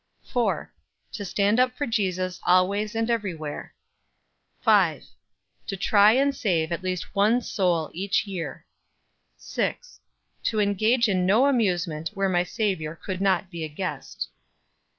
4. To stand up for Jesus always and everywhere. 5. To try to save at least one soul each year. 6. To engage in no amusement where my Savior could not be a guest.